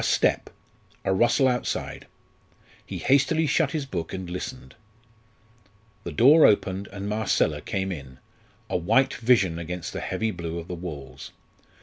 A step, a rustle outside he hastily shut his book and listened. The door opened, and Marcella came in a white vision against the heavy blue of the walls.